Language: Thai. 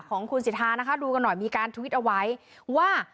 ของคุณสิทธานะคะดูกันหน่อยมีการทวิตเอาไว้ว่า